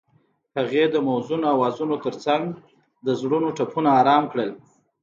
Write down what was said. هغې د موزون اوازونو ترڅنګ د زړونو ټپونه آرام کړل.